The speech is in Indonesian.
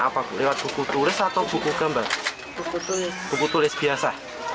popol pen biasa